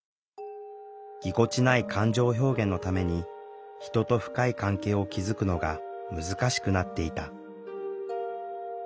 ぎこちない感情表現のために人と深い関係を築くのが難しくなっていた。